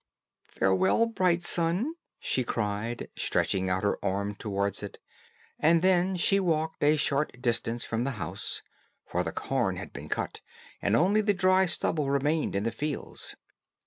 "Farewell bright sun," she cried, stretching out her arm towards it; and then she walked a short distance from the house; for the corn had been cut, and only the dry stubble remained in the fields.